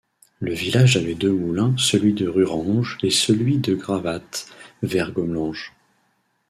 Le village avait deux moulins celui de Rurange et celui de Gravatte vers Gomelange.